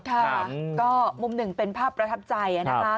ค่ะก็มุมหนึ่งเป็นภาพประทับใจนะคะ